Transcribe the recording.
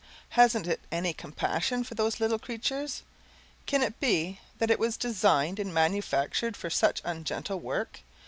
Hasn't it any compassion for those little creature? Can it be that it was designed and manufactured for such ungentle work?